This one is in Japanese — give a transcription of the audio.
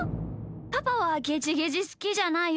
パパはゲジゲジすきじゃないよね？